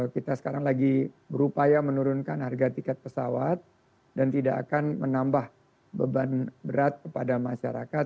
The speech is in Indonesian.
kita sekarang lagi berupaya menurunkan harga tiket pesawat dan tidak akan menambah beban berat kepada masyarakat